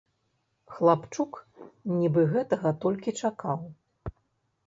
Хлапчук нібы гэтага толькі чакаў.